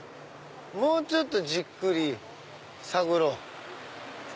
もうちょっとじっくり探ろう。